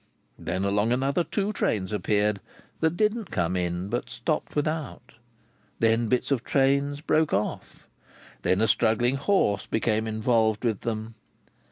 Then, along another two trains appeared that didn't come in, but stopped without. Then, bits of trains broke off. Then, a struggling horse became involved with them.